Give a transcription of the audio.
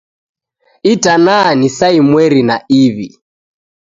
Itana ni saa imweri na iw'i.